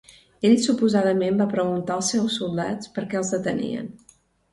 Ell suposadament va preguntar als seus soldats per què els detenien.